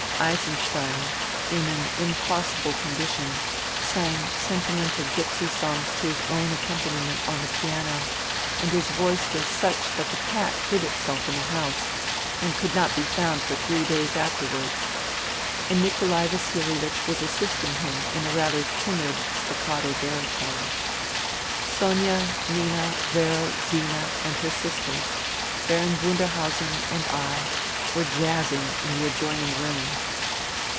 Eisenstein, in an impossible con dition, sang sentimental gipsy songs to his own accompaniment on the piano, and his voice was such that the cat hid itself in the house and could not be found for three days afterwards ; and Nikolai Vasilievich was assisting him in a rather timid staccato baritone. Sonia, Nina, Vera, Zina and her sisters, Baron Wunderhausen and I were jazzing in the adjoining room.